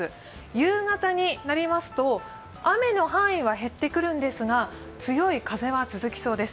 夕方になりますと、雨の範囲は減ってくるんですが強い風は続きそうです。